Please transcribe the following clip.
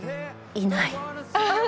いない。